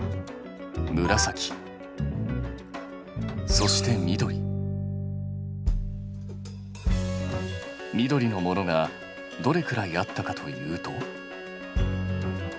そして緑のものがどれくらいあったかというと？